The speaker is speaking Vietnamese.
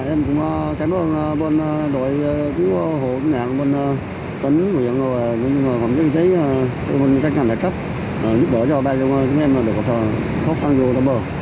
em cũng cảm ơn đội cứu hộ nạn tấn nguyện và phòng chế tinh thần trắc giúp đỡ cho ba người chúng em được khóc săn vô bờ